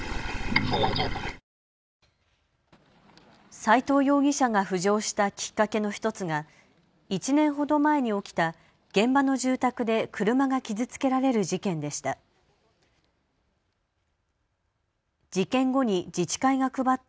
斎藤容疑者が浮上したきっかけの１つが１年ほど前に起きた現場の住宅で車が傷つけられる事件でした。